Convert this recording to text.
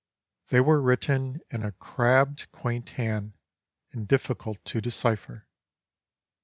They were written in a 'crabbed, quaint hand, and difficult to decipher.